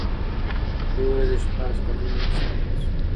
ورور یې د شپاړس کلنۍ نه مسلمان شو.